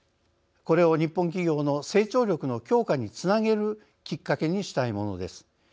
これを日本企業の成長力の強化につなげるきっかけにしたいものです。